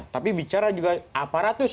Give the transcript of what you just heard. tapi bicara juga aparatus